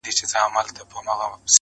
o ددې نړۍ وه ښايسته مخلوق ته.